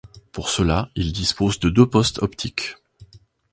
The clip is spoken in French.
Pour cela, il dispose de deux postes optiques.